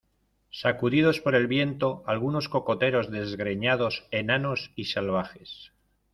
sacudidos por el viento, algunos cocoteros desgreñados , enanos y salvajes.